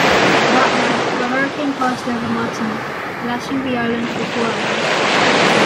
That night, the hurricane passed over Martinique, lashing the island for four hours.